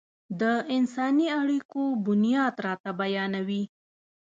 د انساني اړيکو بنياد راته بيانوي.